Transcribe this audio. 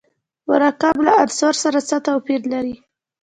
مرکب له عنصر سره څه توپیر لري.